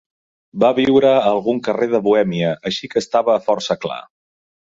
Va viure a algun carrer de Bohèmia, així que estava força clar.